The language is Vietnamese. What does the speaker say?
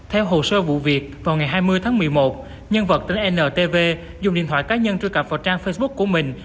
theo hồ sơ vụ việc vào ngày hai mươi tháng một mươi một nhân vật tên ntv dùng điện thoại cá nhân truy cập vào trang facebook của mình